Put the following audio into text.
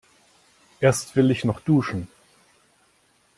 Erst will ich noch duschen.